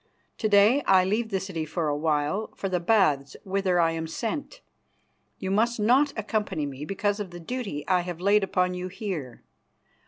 To day I leave the city for a while for the Baths whither I am sent. You must not accompany me because of the duty I have laid upon you here.